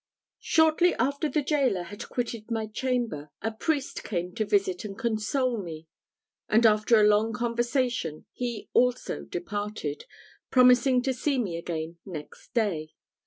Shortly after the gaoler had quitted my chamber, a priest came to visit and console me; and after a long conversation he also departed, promising to see me again next day.